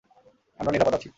আমরা নিরাপদ আছি।